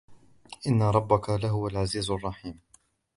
وإن ربك لهو العزيز الرحيم